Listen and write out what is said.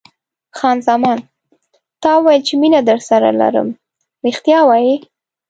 خان زمان: تا وویل چې مینه درسره لرم، رښتیا وایې؟